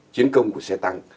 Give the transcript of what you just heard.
chiến công của xe tăng